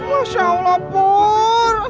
masya allah pur